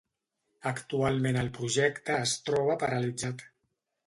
Actualment el projecte es troba paralitzat.